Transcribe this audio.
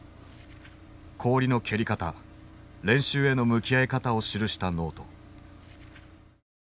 氷の蹴り方練習への向き合い方を記したノート。